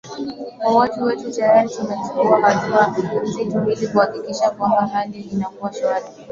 kwa watu wetu tayari tumechukua hatua nzito ili kuhakikisha kwamba hali inakuwa shwari